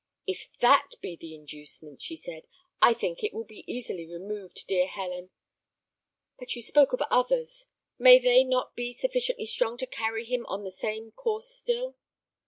"If that be the inducement," she said, "I think it will be easily removed, dear Helen. But you spoke of others; may they not be sufficiently strong to carry him on in the same course still?"